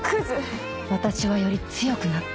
私はより強くなった。